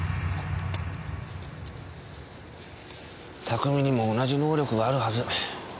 「拓海にも同じ能力があるはず」